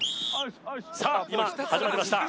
さあ今始まりました